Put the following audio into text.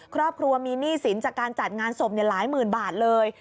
ครอบครัวมีหนี้สินจากการจัดงานศพหลายหมื่นบาทเลย